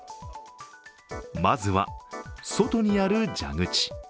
まずは外にある蛇口。